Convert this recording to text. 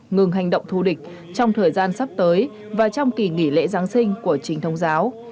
ngừng hành động thù địch trong thời gian sắp tới và trong kỳ nghỉ lễ giáng sinh của chính thống giáo